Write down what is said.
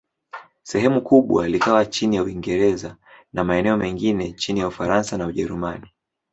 Sehemu kubwa likawa chini ya Uingereza, na maeneo mengine chini ya Ufaransa na Ujerumani.